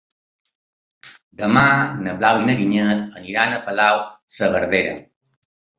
Demà na Blau i na Vinyet aniran a Palau-saverdera.